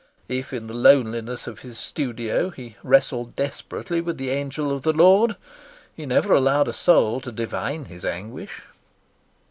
If in the loneliness of his studio he wrestled desperately with the Angel of the Lord he never allowed a soul to divine his anguish.